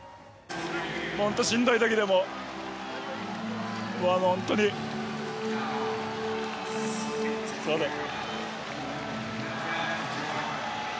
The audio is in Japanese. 本当にしんどい時でも本当にすみません。